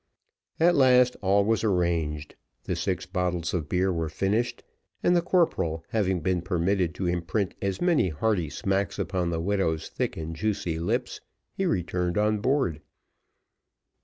At last all was arranged, the six bottles of beer were finished, and the corporal having been permitted to imprint as many hearty smacks upon the widow's thick and juicy lips, he returned on board.